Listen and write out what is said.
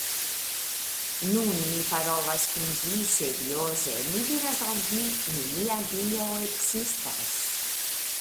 Nun mi parolas kun vi serioze, mi diras al vi: nenia Dio ekzistas!